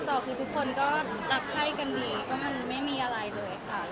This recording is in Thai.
แสวได้ไงของเราก็เชียนนักอยู่ค่ะเป็นผู้ร่วมงานที่ดีมาก